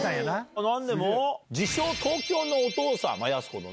なんでも自称東京のお父さん、やす子のね。